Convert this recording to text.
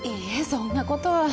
そんなことは。